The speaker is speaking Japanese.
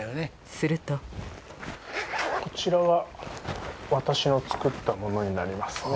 するとこちらは私の作ったものになりますね。